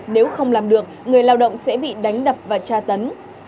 nếu không làm được người lao động sẽ bị đánh đập và tra tấn